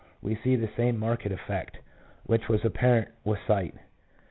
we see the same marked effect which was apparent with sight.